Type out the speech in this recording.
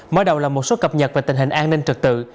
mở đầu là một số cập nhật về tình hình an ninh trực tự